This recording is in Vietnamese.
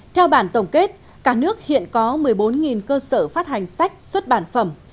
theo bản tổng kết cả nước hiện có một mươi bốn cơ sở phát hành sách xuất bản phẩm